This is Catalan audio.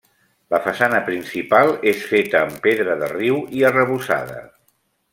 La façana principal és feta amb pedra de riu i arrebossada.